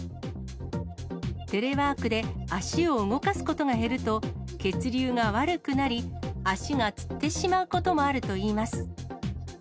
テレワークで足を動かすことが減ると、血流が悪くなり、足がつってしまうこともあると言います。